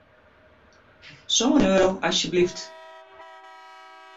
Sân euro, asjeblyft.